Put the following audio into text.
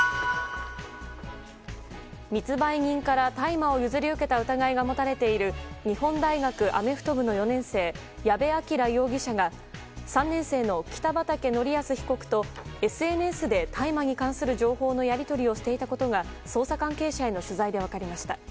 密売人から大麻を譲り受けた疑いが持たれている日本大学アメフト部の４年生矢部鑑羅容疑者が３年生の北畠成文被告とＳＮＳで大麻に関する情報のやり取りをしていたことが捜査関係者への取材で分かりました。